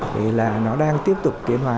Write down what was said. thì là nó đang tiếp tục kế hoá